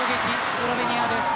スロベニアです。